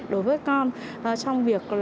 đối với con trong việc